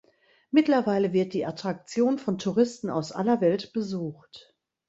Mittlerweile wird die Attraktion von Touristen aus aller Welt besucht.